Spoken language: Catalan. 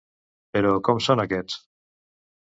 Però com són aquests?